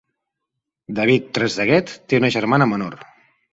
David Trezeguet té una germana menor.